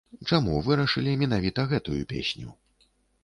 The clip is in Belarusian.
Чаму вырашылі менавіта гэтую песню?